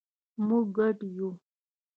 مونږ ګډ یو